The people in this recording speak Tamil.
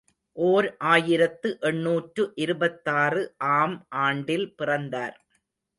ஓர் ஆயிரத்து எண்ணூற்று இருபத்தாறு ஆம் ஆண்டில் பிறந்தார்.